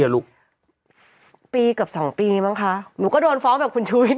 เหนื่อยเนอะ